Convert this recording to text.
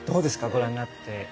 ご覧になって。